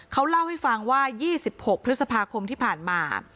เขาเล่าให้ฟังว่า๒๖พฤษภาคมที่ผ่านมา